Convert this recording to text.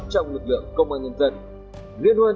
trong lực lượng của các nhà hàng tuần